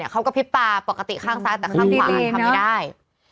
กระพริบตาปกติข้างซ้ายแต่ข้างขวาทำไม่ได้